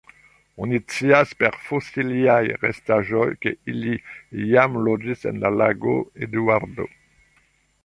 Oni scias per fosiliaj restaĵoj ke ili iam loĝis en la Lago Eduardo.